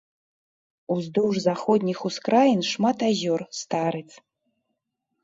Уздоўж заходніх ускраін шмат азёр, старыц.